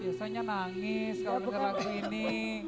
biasanya nangis kalau denger lagu ini